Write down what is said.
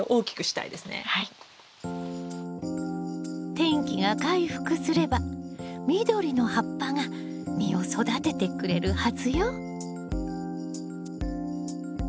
天気が回復すれば緑の葉っぱが実を育ててくれるはずよ。